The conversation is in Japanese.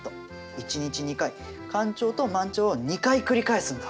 １日２回干潮と満潮を２回繰り返すんだ。